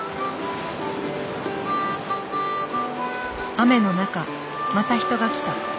雨の中また人が来た。